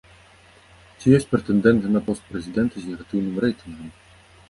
Ці ёсць прэтэндэнты на пост прэзідэнта з негатыўным рэйтынгам?